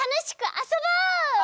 あそぼう！